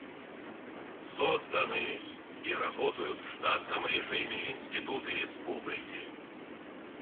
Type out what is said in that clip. Созданы и работают в штатном режиме институты Республики.